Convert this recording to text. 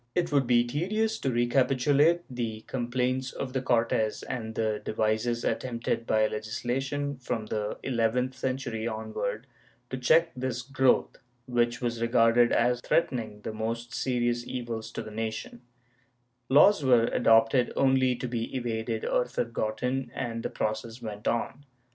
It would be tedious to recapitulate the complaints of the Cortes and the devices attempted by legislation from the eleventh century onward to check this growth, which was regarded as threatening the most serious evils to the nation/ Laws were adopted only to be evaded or forgotten, and the process went on.